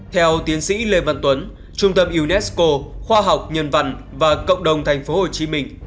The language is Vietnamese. theo tiến sĩ lê văn tuấn trung tâm unesco khoa học nhân văn và cộng đồng tp hcm